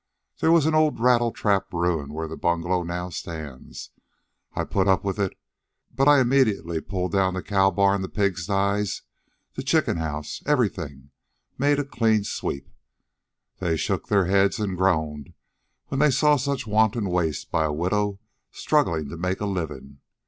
There was an old rattletrap ruin where the bungalow now stands. I put up with it, but I immediately pulled down the cow barn, the pigsties, the chicken houses, everything made a clean sweep. They shook their heads and groaned when they saw such wanton waste by a widow struggling to make a living.